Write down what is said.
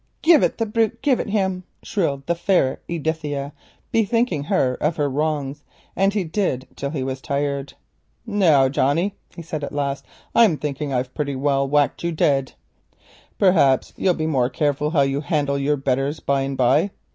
"Give it the brute, give it him," shrilled the fair Edithia, bethinking her of her wrongs, and he did till he was tired. "Now, Johnnie boar," he panted at last, "I'm thinking I've pretty nigh whacked you to dead. Perhaps you'll larn to be more careful how you handles your betters by and by."